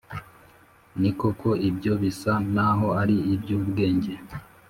Ni koko ibyo bisa n’aho ari iby’ubwenge